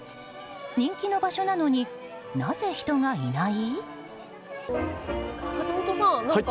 人気の場所なのになぜ人がいない？